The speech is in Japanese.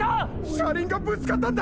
車輪がぶつかったんだ！！